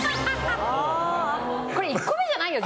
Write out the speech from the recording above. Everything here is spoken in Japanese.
これ１個目じゃないよ